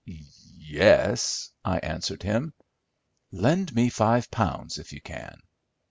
"Yes," I answered him. "Lend me five pounds if you can."